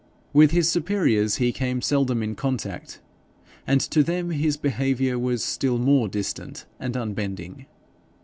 With his superiors he came seldom in contact, and to them his behaviour was still more distant and unbending.